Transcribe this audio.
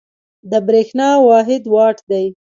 د برېښنا واحد وات دی.